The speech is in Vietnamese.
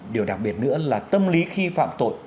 điều đặc biệt nữa là tâm lý khi phạm tội